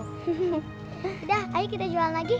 sudah ayo kita jual lagi